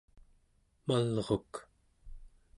malruk